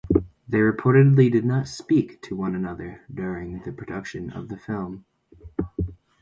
They reportedly did not speak to one another during production of the film.